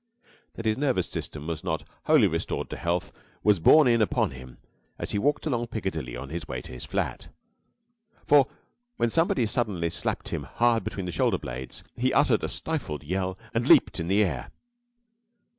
That his nervous system was not wholly restored to health was borne in upon him as he walked along Piccadilly on his way to his flat; for, when somebody suddenly slapped him hard between the shoulder blades, he uttered a stifled yell and leaped in the air.